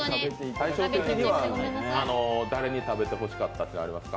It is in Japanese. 大将的には誰に食べてほしかったというのはありますか。